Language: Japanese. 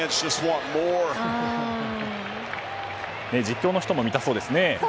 実況の人も見たそうですね。